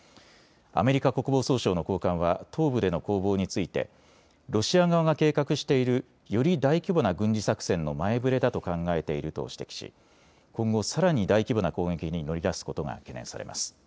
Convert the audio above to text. アメリカ国防総省の高官は東部での攻防についてロシア側が計画しているより大規模な軍事作戦の前触れだと考えていると指摘し、今後、さらに大規模な攻撃に乗り出すことが懸念されます。